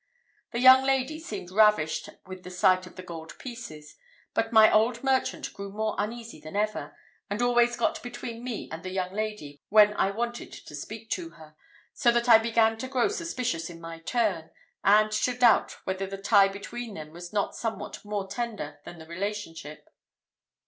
The young lady seemed ravished with the sight of the gold pieces; but my old merchant grew more uneasy than ever, and always got between me and the young lady when I wanted to speak with her, so that I began to grow suspicious in my turn, and to doubt whether the tie between them was not somewhat more tender than the relationship.